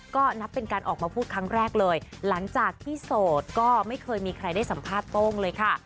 ก็นับเป็นการออกมาพูดครั้งแรกเลยหลังจากที่โสดก็ไม่เคยมีใครได้สัมภาษณ์โต้งเลยค่ะ